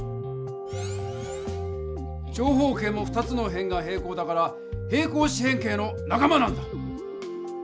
長方形も２つの辺が平行だから平行四辺形のなか間なんだ！